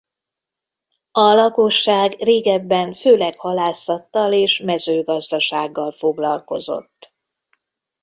A lakosság régebben főleg halászattal és mezőgazdasággal foglalkozott.